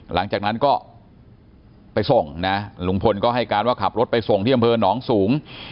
หลังจากนั้นก็ไปส่งนะลุงพลก็ให้การว่าขับรถไปส่งที่อำเภอหนองสูง